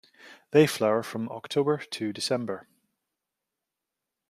They flower from October to December.